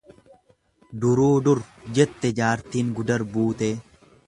Duruu dur jette jaartiin gudar buutee.